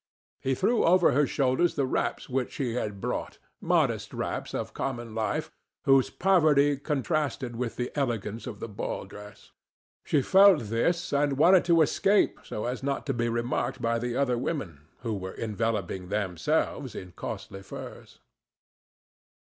He threw over her shoulders the wraps which he had brought, modest wraps of common life, whose poverty contrasted with the elegance of the ball dress. She felt this and wanted to escape so as not to be remarked by the other women, who were enveloping themselves in costly furs.